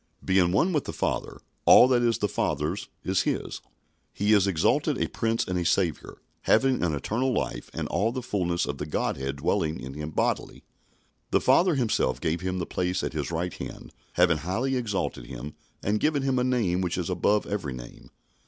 Being one with the Father, all that is the Father's is His. He is exalted a Prince and a Saviour, having an eternal life and all the fulness of the Godhead dwelling in Him bodily. The Father Himself gave Him the place at His right hand, having highly exalted Him and given Him a name which is above every name.